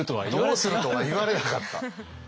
「どうする」とは言われなかった。